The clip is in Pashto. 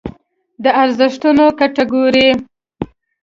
د ارزښتونو کټګورۍ